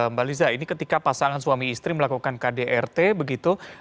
mbak liza ini ketika pasangan suami istri melakukan kdrt begitu